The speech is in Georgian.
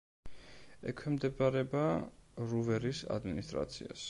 ექვემდებარება რუვერის ადმინისტრაციას.